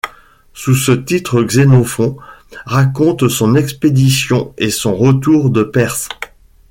Sous ce titre Xénophon raconte son expédition et son retour de Perse.